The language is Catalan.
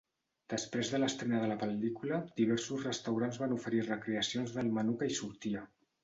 Després de l'estrena de la pel·lícula, diversos restaurants van oferir recreacions del menú que hi sortia.